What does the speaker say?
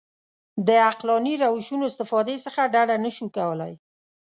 د عقلاني روشونو استفادې څخه ډډه نه شو کولای.